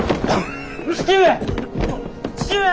父上？